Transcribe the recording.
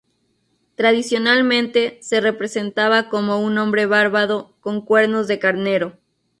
Tradicionalmente se representaba como un hombre barbado con cuernos de carnero.